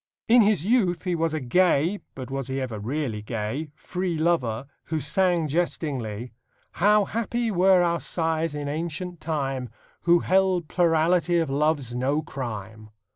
In his youth he was a gay but was he ever really gay? free lover, who sang jestingly: How happy were our sires in ancient time, Who held plurality of loves no crime!